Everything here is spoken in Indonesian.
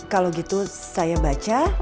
kalau gitu saya baca